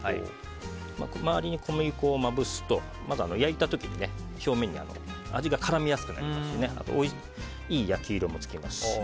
周りに小麦粉をまぶすと焼いた時に表面に味が絡みやすくなりますしあと、いい焼き色もつきますし。